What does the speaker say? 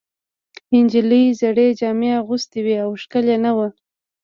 نجلۍ زړې جامې اغوستې وې او ښکلې نه وه.